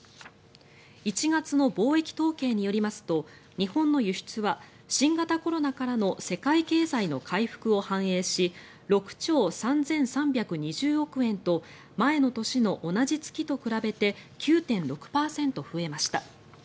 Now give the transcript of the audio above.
１月の貿易統計によりますと日本の輸出は新型コロナからの世界経済の回復を反映し６兆３３２０億円と前の年の同じ月と比べて９．６％増えました。